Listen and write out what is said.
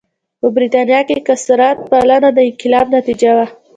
په برېټانیا کې کثرت پالنه د انقلاب نتیجه وه.